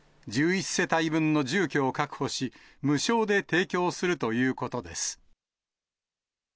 １１世帯分の住居を確保し、無償で提供するということです。